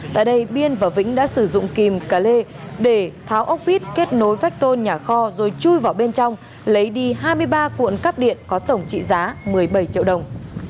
tại đây biên và vĩnh đã sử dụng kìm cá lê để tháo ốc vít kết nối vách tôn nhà kho rồi chui vào bên trong lấy đi hai mươi ba cuộn cắp điện có tổng trị giá một mươi bảy triệu đồng